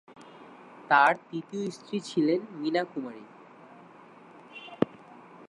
তার তৃতীয় স্ত্রী ছিলেন মিনা কুমারী।